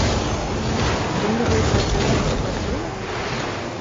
Атрымліваецца, цэнтр ужо працуе?